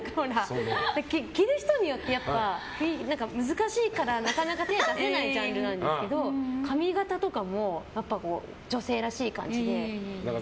着る人によって、やっぱり難しいからなかなか手を出せないジャンルなんですけど髪形とかも女性らしい感じで。